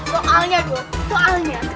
soalnya dot soalnya